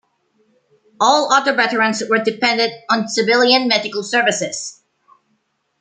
All other veterans were dependent on civilian medical services.